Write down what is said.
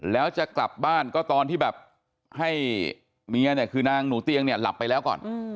แล้วจะกลับบ้านก็ตอนที่แบบให้เมียเนี่ยคือนางหนูเตียงเนี่ยหลับไปแล้วก่อน